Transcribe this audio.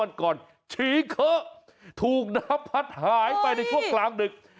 ฉีเคอะถูกน้ำพัดหายไปในช่วงกลางดึก